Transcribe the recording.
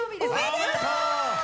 おめでとう！